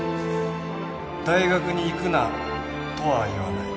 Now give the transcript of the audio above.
大学に行くなとは言わない。